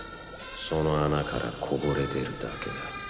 その穴からこぼれ出るだけだ。